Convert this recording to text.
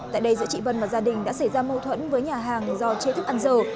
tại đây giữa chị vân và gia đình đã xảy ra mâu thuẫn với nhà hàng do chưa thức ăn giờ